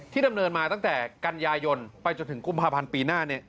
ดำเนินมาตั้งแต่กันยายนไปจนถึงกุมภาพันธ์ปีหน้า